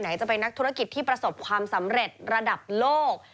จะเป็นนักธุรกิจที่ประสบความสำเร็จระดับโลก